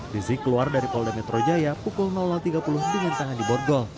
rizik keluar dari polda metro jaya pukul tiga puluh dengan tangan di borgol